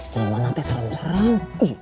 jangan mah nanti serem serem